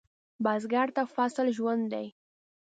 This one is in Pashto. بزګر ته فصل ژوند دی